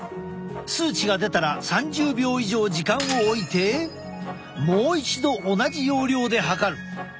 数値が出たら３０秒以上時間をおいてもう一度同じ要領で測る。